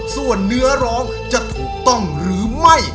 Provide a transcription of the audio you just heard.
ส่วนเนื้อร้องจะถูกต้องหรือไม่